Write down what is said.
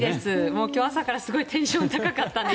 今日、朝からすごいテンション高かったので